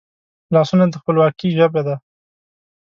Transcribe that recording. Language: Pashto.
لاسونه د خپلواکي ژبه ده